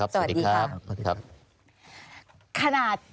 สวัสดีครับ